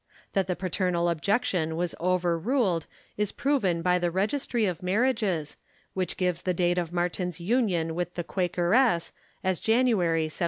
That the paternal objection was overruled is proven by the registry of marriages, which gives the date of Mar tin's union with the Quakeress as January, 1779.